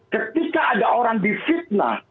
ketika ada orang difitnah